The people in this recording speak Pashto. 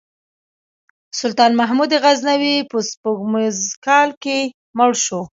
سلطان محمود غزنوي په سپوږمیز کال کې مړ شو.